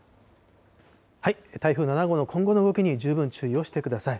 台風７号の今後の動きに、十分注意をしてください。